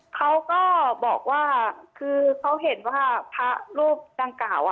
เขาก็บอกว่าคือเขาเห็นว่าพระรูปดังกล่าว